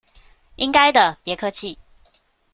應該的，別客氣！